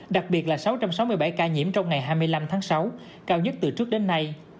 đặc biệt là sáu trăm sáu mươi bảy ca nhiễm trong ngày hai mươi năm tháng sáu cao nhất từ trước đến nay